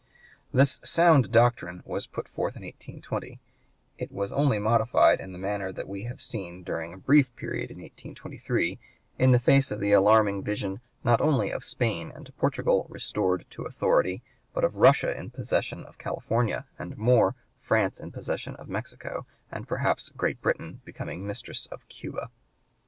This sound doctrine was put forth in 1820; and it was only modified in the manner that we have seen during a brief period in 1823, in face of the alarming vision not only of Spain and Portugal restored to authority, but of Russia in possession of California and more, France in possession of Mexico, and perhaps Great Britain becoming mistress of Cuba.